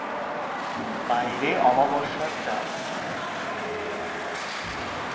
বাইরে অমাবস্যার চাঁদ।